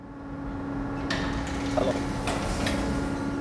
«Humo» sport arenasi kurashchilarni chorlaydi